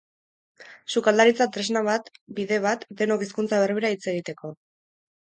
Sukaldaritza tresna bat da, bide bat, denok hizkuntza berbera hitz egiteko.